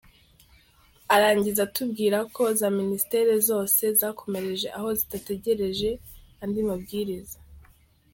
Arangiza atubwira ko za Ministere zose zakomereje aho zidategereje andi mabwiriza